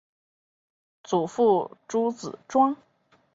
祖父朱子庄。